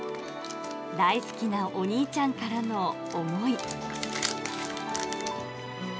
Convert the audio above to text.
大好きなお兄ちゃんからの思い。